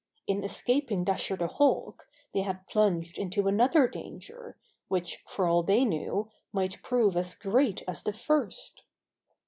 In escaping Dasher the Hawk, they had plunged into another danger, which, for all they knew, might prove as great as the first.